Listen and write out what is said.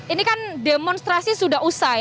ini kan demonstrasi sudah usai